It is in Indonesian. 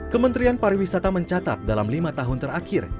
kementerian pariwisata mencatat dalam lima tahun terakhir